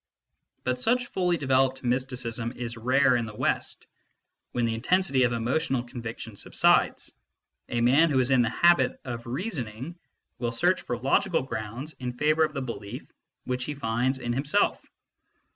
But such fully developed mysticism is rare in the West. When the intensity of emotional conviction subsides, a man who is in the habit of reasoning will search for logical grounds in favour of the belief which he finds in himself.